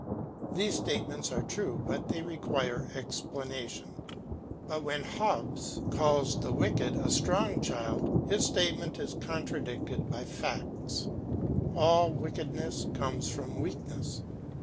These statements are true, but they require explanation. But when Hobbes calls the wicked a strong child, his statement is contradicted by facts. All wickedness comes from weakness.